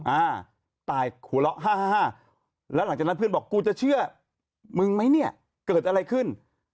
อ่าตายหัวเราะห้าห้าแล้วหลังจากนั้นเพื่อนบอกกูจะเชื่อมึงไหมเนี่ยเกิดอะไรขึ้น